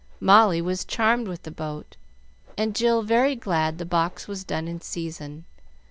Molly was charmed with the boat, and Jill very glad the box was done in season.